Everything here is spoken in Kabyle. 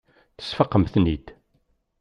Tesfaqem-ten-id.